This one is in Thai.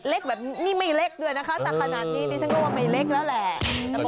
เล็กแบบนี้ไม่เล็กด้วยนะคะแต่ขนาดนี้ดิฉันก็ว่าไม่เล็กแล้วแหละ